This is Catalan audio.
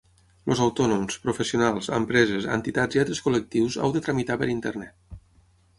Els autònoms, professionals, empreses, entitats i altres col·lectius heu de tramitar per internet.